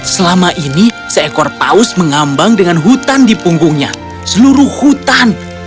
selama ini seekor paus mengambang dengan hutan di punggungnya seluruh hutan